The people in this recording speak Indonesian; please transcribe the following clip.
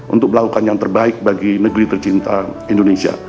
untuk melakukan yang terbaik bagi negeri tercinta indonesia